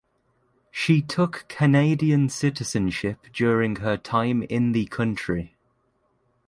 She took Canadian citizenship during her time in the country.